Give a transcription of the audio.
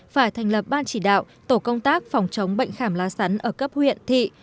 phải thành lập ban chỉ đạo tổ công tác phòng chống bệnh khảm lá sắn ở cấp huyện thị